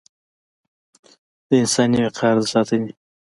د انساني وقار د ساتنې